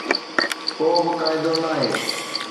ڪو به قاعدو ناهي.